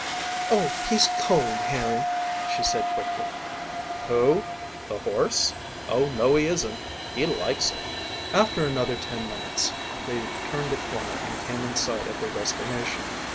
"Oh, he's cold, Harry," she said quickly. "Who? The horse? Oh, no, he isn't. He likes it!" After another ten minutes they turned a corner and came in sight of their destination.